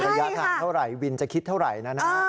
ระยะทางเท่าไหร่วินจะคิดเท่าไหร่นะนะ